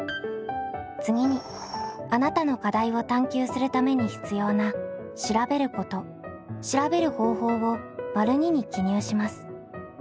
次にあなたの課題を探究するために必要な「調べること」「調べる方法」を②に記入します。